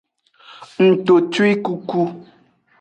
Ngtotwikuku.